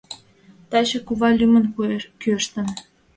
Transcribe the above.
Таче кува лӱмын кӱэштын.